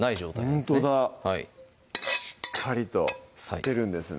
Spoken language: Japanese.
しっかりと吸ってるんですね